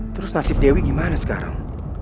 terus nasib dewi gimana sekarang